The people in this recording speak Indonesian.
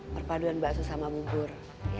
perpaduan bakso sama bubur